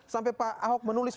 sampai pak ahok menulis